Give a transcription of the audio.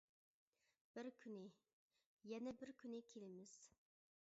بىر كۈنى، يەنە بىر كۈنى كېلىمىز.